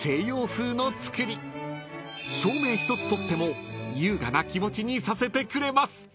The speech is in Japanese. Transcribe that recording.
［照明一つとっても優雅な気持ちにさせてくれます］